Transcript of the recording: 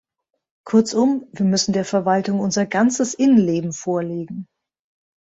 Kurzum, wir müssen der Verwaltung unser ganzes Innenleben vorlegen.